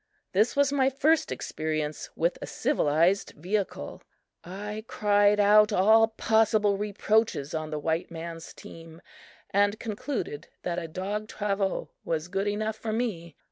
This was my first experience with a civilized vehicle. I cried out all possible reproaches on the white man's team and concluded that a dog travaux was good enough for me.